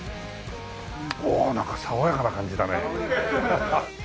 おおなんか爽やかな感じだねハハッ。